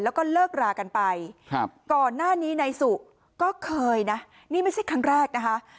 แล้วก็เลิกรากันไปก่อนหน้านี้นายสุก็เคยนะนี่ไม่ใช่ครั้งแรกนะคะ